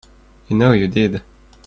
You know you did.